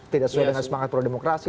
tidak sesuai dengan semangat pro demokrasi